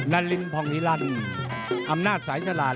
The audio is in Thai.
นัลลินพองฮิลัลอำนาจสายสลาด